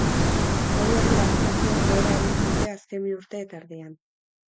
Hori horrela, prezioek behera egin dute azken bi urte eta erdian.